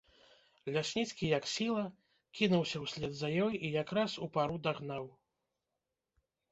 Лясніцкі, як сіла, кінуўся ўслед за ёй і якраз упару дагнаў.